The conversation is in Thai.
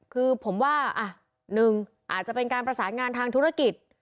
คือผมว่าหนึ่งอาจจะเป็นการประสานงานทางธุรกิจ